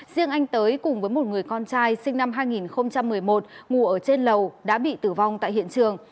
riêng anh tới cùng với một người con trai sinh năm hai nghìn một mươi một ngủ ở trên lầu đã bị tử vong tại hiện trường